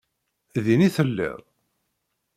Din i telliḍ?